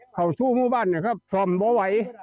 เขารูขุมุบ้านซ่อมไม่ไหว